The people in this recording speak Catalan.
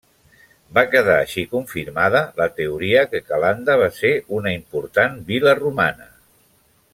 Va quedar així confirmada la teoria que Calanda va ser una important vil·la romana.